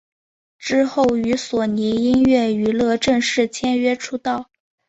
之后与索尼音乐娱乐正式签约出道。